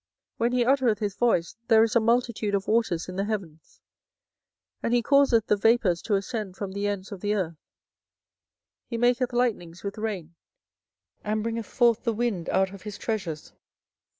24:010:013 When he uttereth his voice, there is a multitude of waters in the heavens, and he causeth the vapours to ascend from the ends of the earth; he maketh lightnings with rain, and bringeth forth the wind out of his treasures.